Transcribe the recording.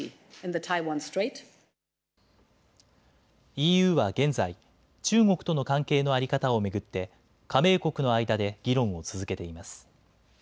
ＥＵは現在、中国との関係の在り方を巡って加盟国の間で議論を続けています。